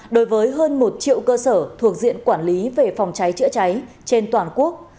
đối với hơn một triệu cơ sở thuộc diện quản lý về phòng cháy chữa cháy trên toàn quốc